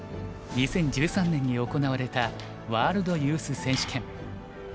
２０１３年に行われたワールドユース選手権。